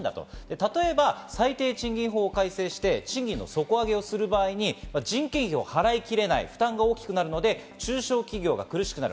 例えば最低賃金法を改正して、賃金の底上げをした場合、人件費を払いきれない、負担が大きくなるので中小企業が苦しくなる。